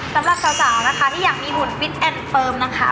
สำหรับเจ้าที่อยากมีหุ่นปิ๊ดแอนด์เฟิร์มนะคะ